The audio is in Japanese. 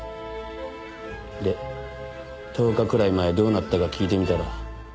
で１０日くらい前どうなったか聞いてみたら。